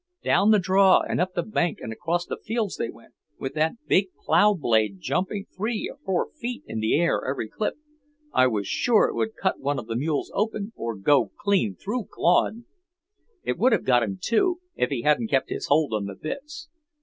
Down the draw and up the bank and across the fields they went, with that big plough blade jumping three or four feet in the air every clip. I was sure it would cut one of the mules open, or go clean through Claude. It would have got him, too, if he hadn't kept his hold on the bits.